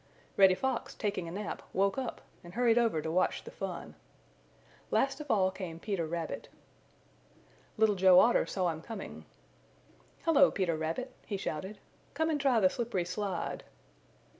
Reddy Fox, taking a nap, woke up and hurried over to watch the fun. Last of all came Peter Rabbit. Little Joe Otter saw him coming. "Hello, Peter Rabbit!" he shouted. "Come and try the slippery slide."